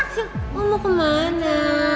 sil lo mau kemana